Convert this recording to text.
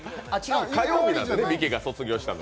火曜日なのでね、ミキが卒業したの。